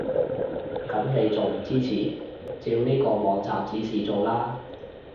噉你仲唔支持？照呢個網指示做啦